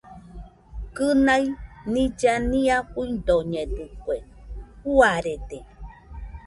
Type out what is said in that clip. Kɨnai nilla nia fuidoñedɨkue, juarede.